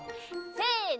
せの！